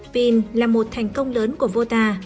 pin là một thành công lớn của vota